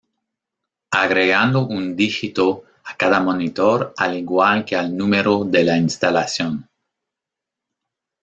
Agregando un dígito a cada monitor al igual que al número de la instalación.